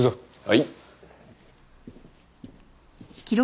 はい。